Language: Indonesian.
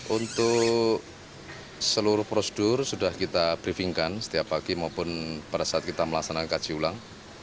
untuk seluruh prosedur sudah kita briefingkan setiap pagi maupun pada saat kita melaksanakan kaji ulang